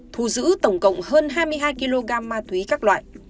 thu giữ tổng cộng hơn hai mươi hai kg ma túy các loại